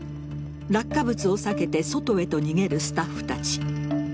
落下物を避けて外へと逃げるスタッフたち。